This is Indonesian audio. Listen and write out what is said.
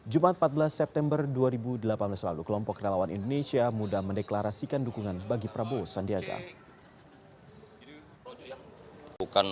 jumat empat belas september dua ribu delapan belas lalu kelompok relawan indonesia muda mendeklarasikan dukungan bagi prabowo sandiaga